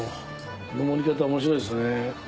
この盛り方面白いですね。